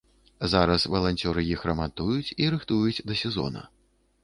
Зараз валанцёры іх рамантуюць і рыхтуюць да сезона.